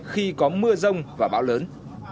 khi có mưa rông và bão lớn